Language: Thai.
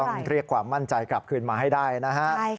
ต้องเรียกความมั่นใจกลับคืนมาให้ได้นะฮะ